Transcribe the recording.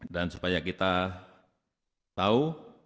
dan supaya kita tahu